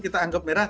kita anggap merah